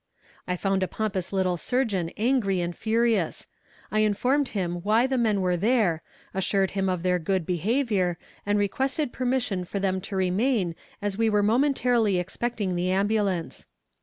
"I found a pompous little surgeon angry and furious. I informed him why the men were there, assured him of their good behavior, and requested permission for them to remain as we were momentarily expecting the ambulance.